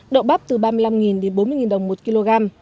đậu bắp từ ba mươi năm đến bốn mươi đồng một kg